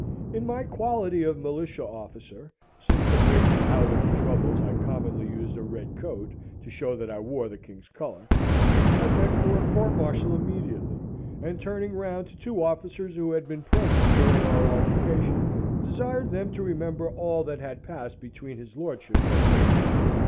In my quality of militia officer (since the breaking out of the troubles I commonly used a red coat, to show that I wore the King's colour) I begged for a court martial immediately; and turning round to two officers who had been present during our altercation, desired them to remember all that had passed between his lordship and me.